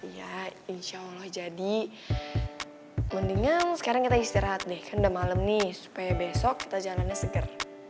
ya insya allah jadi mendingan sekarang kita istirahat deh kan udah malam nih supaya besok kita jalannya segar